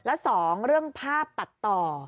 แล้วสองเรื่องภาพปัดต่อ